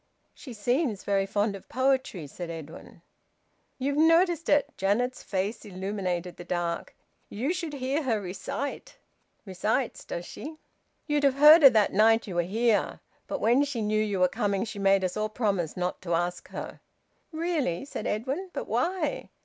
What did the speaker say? "She seems very fond of poetry," said Edwin. "You've noticed it!" Janet's face illuminated the dark. "You should hear her recite!" "Recites, does she?" "You'd have heard her that night you were here. But when she knew you were coming, she made us all promise not to ask her." "Really!" said Edwin. "But why?